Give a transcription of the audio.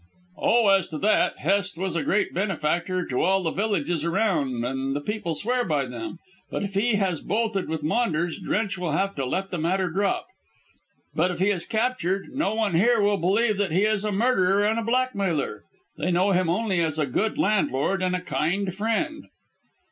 "Oh, as to that, Hest was a great benefactor to all the villages around, and the people swear by them. If he has bolted with Maunders, Drench will have to let the matter drop. But, if he is captured, no one here will believe that he is a murderer and a blackmailer. They know him only as a good landlord and a kind friend."